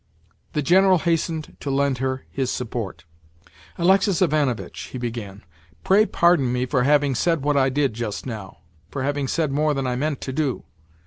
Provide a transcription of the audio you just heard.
The General hastened to lend her his support. "Alexis Ivanovitch," he began, "pray pardon me for having said what I did just now—for having said more than I meant to do.